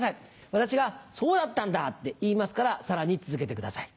私が「そうだったんだ」って言いますからさらに続けてください。